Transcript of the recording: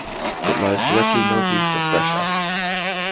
It lies directly northeast of Brescia.